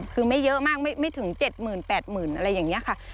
คือไม่เยอะมากไม่ถึง๗หมื่น๘หมื่นอะไรอย่างนี้ค่ะ